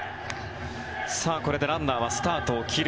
これでランナーはスタートを切る。